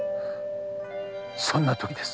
そんなときです。